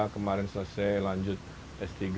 kemarin selesai lanjut s tiga